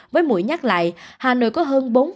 với mũi nhắc lại hà nội có hơn hai ca diễn biến